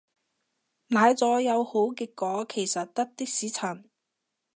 奶咗有好結果其實得的士陳